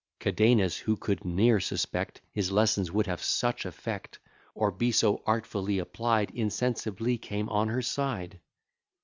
Cadenus, who could ne'er suspect His lessons would have such effect, Or be so artfully applied, Insensibly came on her side.